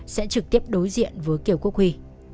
sẽ trực tiếp đối diện với kiều quốc huy